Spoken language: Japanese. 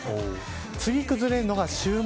次に崩れるのが週末。